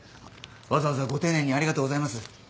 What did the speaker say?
わざわざご丁寧にありがとうございます。